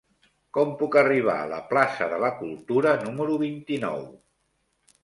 Com puc arribar a la plaça de la Cultura número vint-i-nou?